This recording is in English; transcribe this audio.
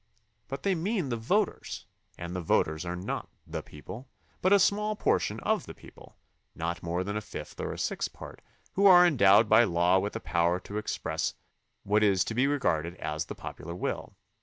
But they mean the voters, and the voters are not the people, but a small portion of the people, not more than a fifth or a sixth part, who are endowed by law with the power to express what is to be regarded as the popular will.